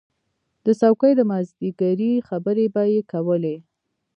د څوکۍ د مازدیګري خبرې به یې کولې.